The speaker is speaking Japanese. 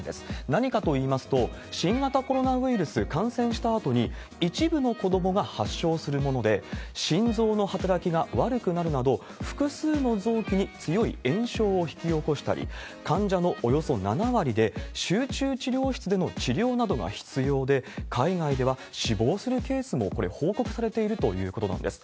何かといいますと、新型コロナウイルス感染したあとに、一部の子どもが発症するもので、心臓の働きが悪くなるなど、複数の臓器に強い炎症を引き起こしたり、患者のおよそ７割で集中治療室での治療などが必要で、海外では死亡するケースも、これ、報告されているということなんです。